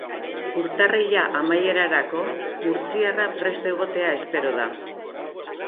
Urtarrila amaierarako murtziarra prest egotea espero da.